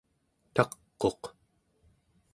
taq'uq